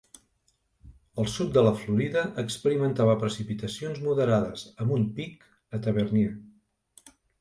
El sud de la Florida experimentava precipitacions moderades, amb un pic a Tavernier.